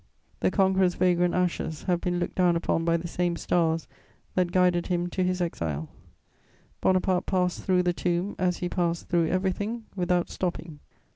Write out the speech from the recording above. The conqueror's vagrant ashes have been looked down upon by the same stars that guided him to his exile: Bonaparte passed through the tomb, as he passed through everything, without stopping.